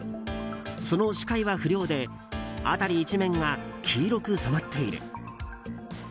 その視界は不良で辺り一面が黄色く染まっている。